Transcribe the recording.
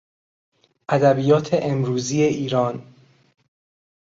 ادبیات امروزی ایران